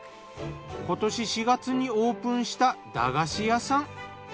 今年４月にオープンした駄菓子屋さん。